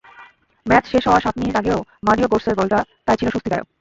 Match শেষ হওয়ার সাত মিনিট আগে মারিও গোটশের গোলটা তাই ছিল স্বস্তিদায়ক।